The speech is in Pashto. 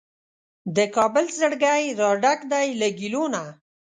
د کابل زړګی راډک دی له ګیلو نه